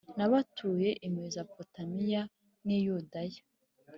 n abatuye i Mezopotamiya n i Yudaya